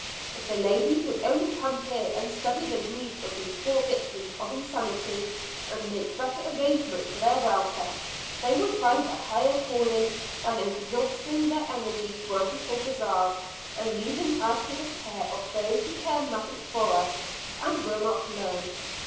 If the ladies would only come here and study the needs of these poor victims of insanity, and make better arrangements for their welfare, they would find a higher calling than exhausting their energies working for bazaars, and leaving us to the care of those who care nothing for us and will not learn.